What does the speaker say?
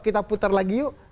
kita putar lagi yuk